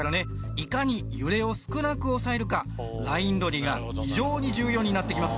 いかに揺れを少なく抑えるかライン取りが非常に重要になってきます